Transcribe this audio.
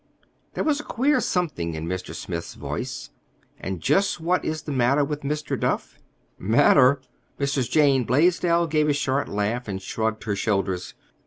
There was a queer something in Mr. Smith's voice. "And just what is the matter with Mr. Duff?" "Matter!" Mrs. Jane Blaisdell gave a short laugh and shrugged her shoulders.